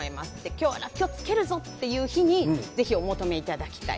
今日はらっきょうを漬けるぞという日にお求めいただきたい。